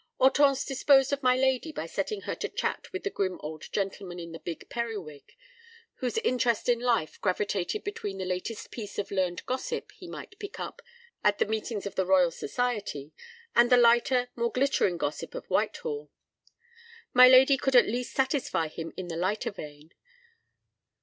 Hortense disposed of my lady by setting her to chat with the grim old gentleman in the big periwig, whose interest in life gravitated between the latest piece of learned gossip he might pick up at the meetings of the Royal Society and the lighter, more glittering gossip of Whitehall. My lady could at least satisfy him in the lighter vein.